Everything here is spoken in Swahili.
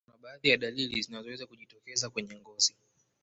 kuna baadhi ya dalili zinaweza kujitokeza kwenye ngozi